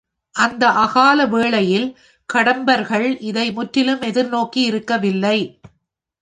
அந்த அகால வேளையில் கடம்பர்கள் இதை முற்றிலும் எதிர்நோக்கி இருக்கவில்லை.